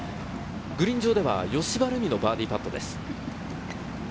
グリーン上では、葭葉ルミのバーディーパットです。